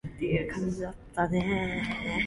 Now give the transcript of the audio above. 知我乜料啦